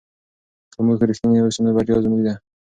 که موږ رښتیني اوسو نو بریا زموږ ده.